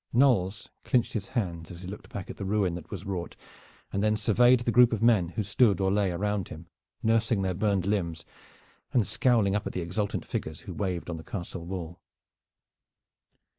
Knolles clinched his hands as he looked back at the ruin that was wrought, and then surveyed the group of men who stood or lay around him nursing their burned limbs and scowling up at the exultant figures who waved on the castle wall.